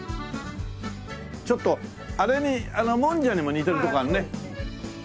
ちょっとあれにもんじゃにも似てるとこあるね。